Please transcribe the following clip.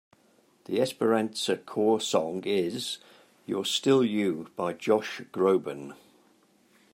The Esperanza Corps Song is "You're Still You" by Josh Groban.